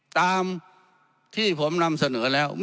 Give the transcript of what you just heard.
ตามที่ผมนำเสนอแล้ว